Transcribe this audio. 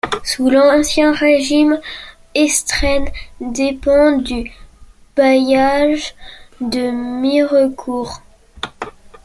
Sous l'Ancien régime, Estrennes dépend du bailliage de Mirecourt.